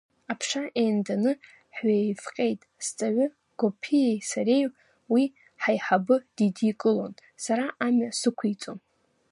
Аԥша еинданы ҳҩеивҟьеит сҵаҩы Гоԥиеи сареи уи ҳаиҳабы дидикылон, сара амҩа сықәиҵон…